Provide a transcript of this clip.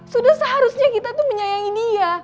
sudah seharusnya kita tuh menyayangi dia